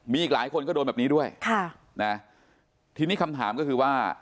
มีอีกหลายคนก็โดนแบบนี้ด้วยค่ะนะทีนี้คำถามก็คือว่า